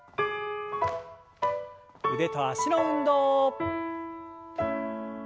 腕と脚の運動。